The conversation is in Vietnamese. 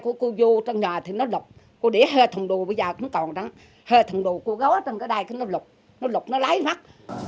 cô vô trong nhà thì nó lục cô để hơi thằng đồ bây giờ cũng còn đó hơi thằng đồ cô gói trong cái đài thì nó lục nó lục nó lấy mắt